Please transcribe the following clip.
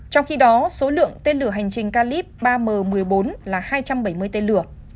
trong khi đó số lượng tên lửa hành trình calip ba m một mươi bốn là hai trăm bảy mươi tên lửa